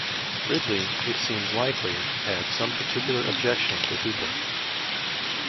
Ridley, it seems likely, had some particular objection to Hooper.